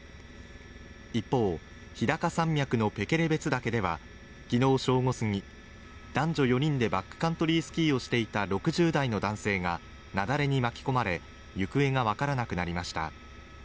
一方、日高山脈のペケレベツ岳では昨日正午すぎ男女４人でバックカントリースキーをしていた６０代の男性が雪崩に巻き込まれ行方が分からなくなりました。